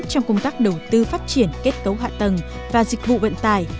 trong công tác đầu tư phát triển kết cấu hạ tầng và dịch vụ vận tải